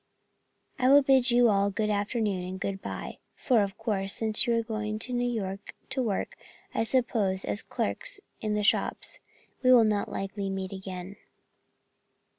I will bid you all good afternoon and good bye, for, of course, since you are going to New York to work, I suppose as clerks in the shops, we will not likely meet again."